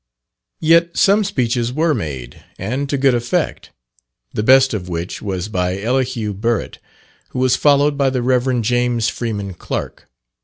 Yet some speeches were made, and to good effect, the best of which was by Elihu Burritt, who was followed by the Rev. James Freeman Clark.